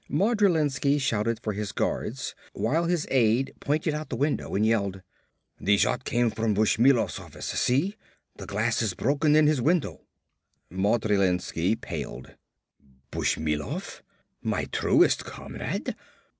Modrilensky shouted for his guards while his aide pointed out the window and yelled, "The shot came from Bushmilov's office. See! The glass is broken in his window!" Modrilensky paled. "Bushmilov? My truest comrade?